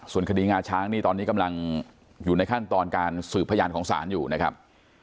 ส่วนคดีงาช้างนี่ตอนนี้กำลังอยู่ในขั้นตอนการสืบพยานของศาลอยู่นะครับ